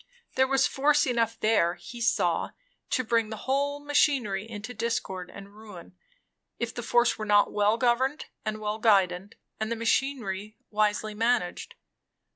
There was force enough there, he saw, to bring the whole machinery into disorder and ruin, if the force were not well governed and well guided, and the machinery wisely managed.